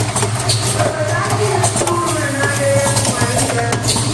په فضا کې د ستورو رڼا ډېره پخوانۍ ده.